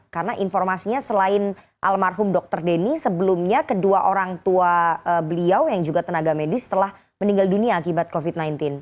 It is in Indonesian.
karena informasinya selain almarhum dr denny sebelumnya kedua orang tua beliau yang juga tenaga medis telah meninggal dunia akibat covid sembilan belas